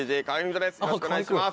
よろしくお願いします。